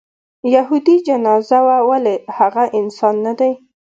یهودي جنازه وه ولې هغه انسان نه دی.